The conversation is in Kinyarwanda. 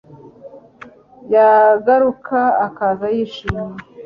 yagaruka, akaza yishimye